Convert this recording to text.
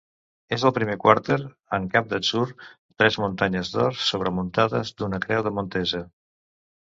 En el primer quarter, en camp d'atzur, tres muntanyes d'or, sobremuntades d'una creu de Montesa.